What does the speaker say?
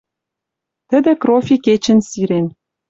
Тӹдӹ Крофи кечӹнь сирен